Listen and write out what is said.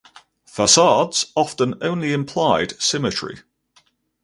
Facades often only implied symmetry.